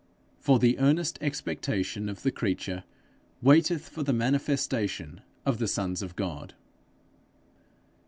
For the earnest expectation of the creature waiteth for the manifestation of the sons of God!